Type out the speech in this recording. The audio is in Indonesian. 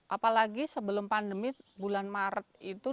apalagi sebelum pandemi bulan maret itu